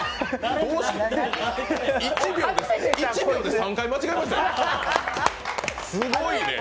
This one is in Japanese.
１秒で３回間違えました、すごいね。